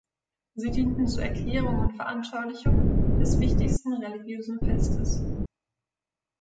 Sie dienten zur Erklärung und Veranschaulichung des wichtigsten religiösen Festes.